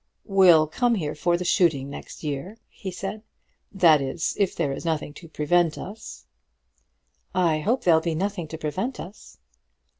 "We'll come here for the shooting next year," he said; "that is, if there is nothing to prevent us." "I hope there'll be nothing to prevent us."